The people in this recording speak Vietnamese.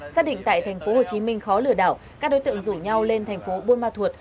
xác định tại thành phố hồ chí minh khó lửa đảo các đối tượng rủ nhau lên thành phố buôn ma thuột